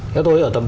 theo tôi ở tầm